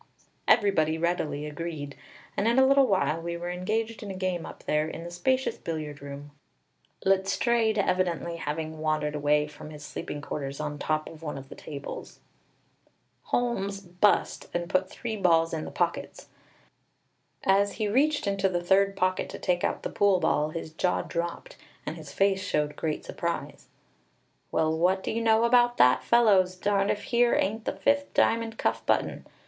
Everybody readily agreed, and in a little while we were engaged in a game up there in the spacious billiard room, Letstrayed evidently having wandered away from his sleeping quarters on top of one of the tables. Holmes "bust," and put three balls in the pockets. As he reached into the third pocket to take out the pool ball, his jaw dropped, and his face showed great surprise. "Well, what do you know about that, fellows! Darned if here ain't the fifth diamond cuff button!"